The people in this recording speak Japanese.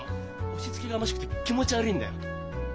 押しつけがましくて気持ち悪いんだよ。